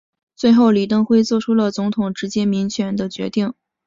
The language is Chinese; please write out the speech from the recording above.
最后李登辉做出总统直接民选的决定。